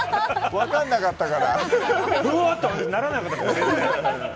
分かんなかったから。